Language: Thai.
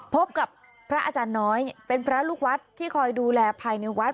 พบกับพระอาจารย์น้อยเป็นพระลูกวัดที่คอยดูแลภายในวัด